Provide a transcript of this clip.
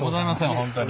本当に。